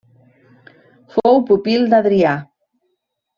Fou pupil d'Adrià.